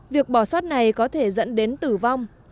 việc bỏ sót này có thể dẫn đến tử vong